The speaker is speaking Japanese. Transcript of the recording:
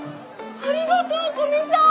ありがとう古見さん！